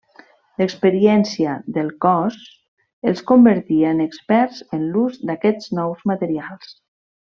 L'experiència del Cos els convertia en experts en l'ús d'aquests nous materials.